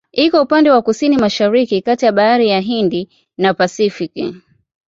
Iko upande wa Kusini-Mashariki kati ya Bahari ya Uhindi na Pasifiki.